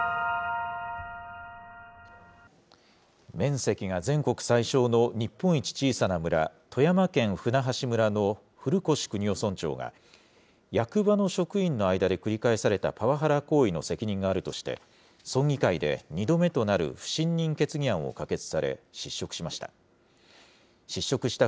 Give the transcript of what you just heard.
面積が全国最小の日本一小さな村、富山県舟橋村の古越邦男村長が、役場の職員の間で繰り返されたパワハラ行為の責任があるとして、村議会で２度目となる不信任決議案を可決され、失職しました。